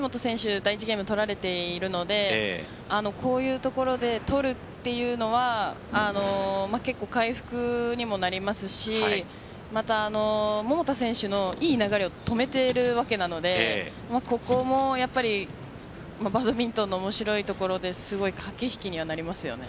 第１ゲーム取られているのでこういうところで取るというのは結構、回復にもなりますしまた、桃田選手のいい流れを止めているわけなのでここもバドミントンの面白いところで駆け引きにはなりますよね。